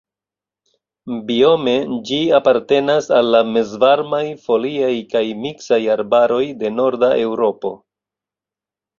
Biome ĝi apartenas al la mezvarmaj foliaj kaj miksaj arbaroj de Norda Eŭropo.